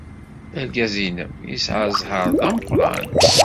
Argaz-nnem yesɛa zzheṛ d ameqran.